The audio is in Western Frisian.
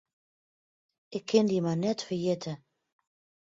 Ik kin dy mar net ferjitte.